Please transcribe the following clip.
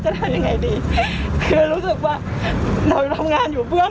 ทำงานครบ๒๐ปีได้เงินชดเฉยเลิกจ้างไม่น้อยกว่า๔๐๐วัน